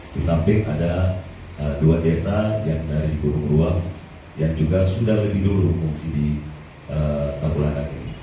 di samping ada dua desa yang dari burung ruang yang juga sudah lebih dulu mengungsi di tabulana